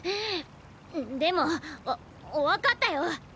でもわ分かったよ。